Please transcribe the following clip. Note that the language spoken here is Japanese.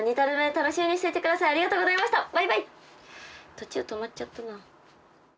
途中止まっちゃったな。